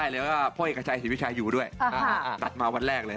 เด็กชายสิบพี่ชายอยู่ด้วยอ่าฮะตัดมาวันแรกเลย